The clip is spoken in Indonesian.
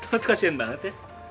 lo kasian banget ya